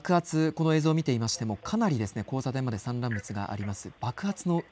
この爆発この映像を見てみましてもかなりですね、交差点まで散乱物あります。